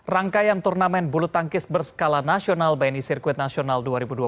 rangkaian turnamen bulu tangkis berskala nasional bni sirkuit nasional dua ribu dua puluh